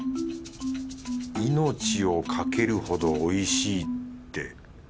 命をかけるほどおいしいって。